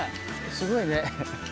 すごいね。